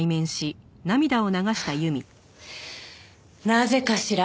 なぜかしら？